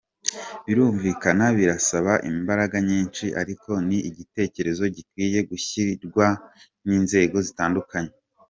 Birumvikana birasaba imbaraga nyinshi ariko ni igitekerezo gikwiye gushyigikirwa n’inzego zitandukanye.